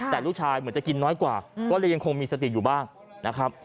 แต่ลูกชายเหมือนจะกินน้อยกว่าก็เลยยังคงมีสติอยู่บ้างนะครับ